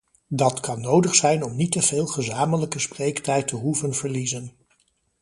Dat kan nodig zijn om niet te veel gezamenlijke spreektijd te hoeven verliezen.